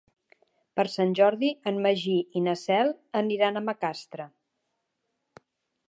Per Sant Jordi en Magí i na Cel aniran a Macastre.